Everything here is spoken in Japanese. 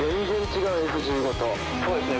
そうですね。